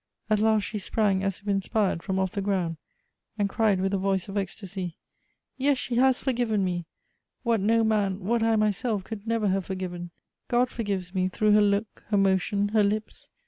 At last she sprang, as if inspired, from ofi" the ground, and cried with a voice of ecstasy: "Yes, she has forgiven me ; what no man, what I myself could never have for given. ■ God forgives me through her look, her motion, her lips.